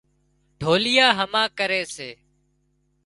ڍوليئا هما ڪري سي